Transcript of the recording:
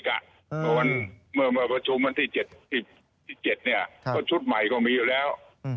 ก่อนเมื่อมาประชุมเวลาที่๗ชุดใหม่ก็มีอยู่แล้ว